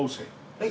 はい。